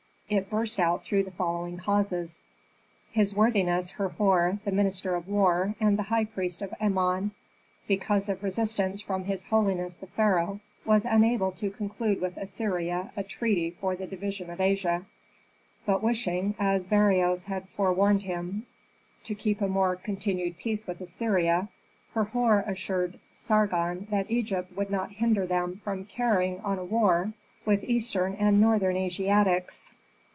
It burst out through the following causes: His worthiness, Herhor, the minister of war, and high priest of Amon, because of resistance from his holiness the pharaoh, was unable to conclude with Assyria a treaty for the division of Asia. But wishing, as Beroes had forewarned him, to keep a more continued peace with Assyria, Herhor assured Sargon that Egypt would not hinder them from carrying on a war with eastern and northern Asiatics.